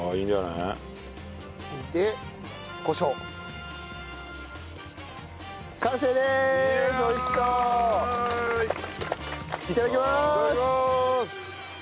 いただきまーす。